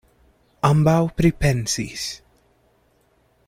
Ambaŭ pripensis.